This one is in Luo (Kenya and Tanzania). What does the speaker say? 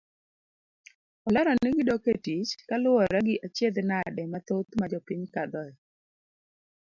Olero ni gidok etich kaluwore gi achiedh nade mathoth majopiny kadhoe.